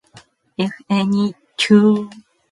If any two coils touch, they are said to be short-circuited.